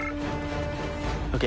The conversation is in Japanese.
ＯＫ。